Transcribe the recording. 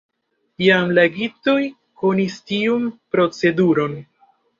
Jam la egiptoj konis tiun proceduron.